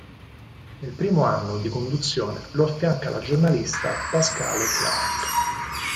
Nel primo anno di conduzione lo affianca la giornalista Pascale Clark.